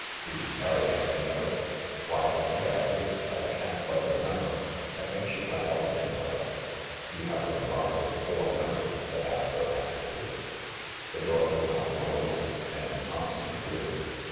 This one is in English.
Did you carry up any other?" "Why, I think I did ; but I can't quite remember. I think she went out again, though." "You have a remarkably poor memory," said Astro acidly. The door was now flung open again, and Thompson appeared.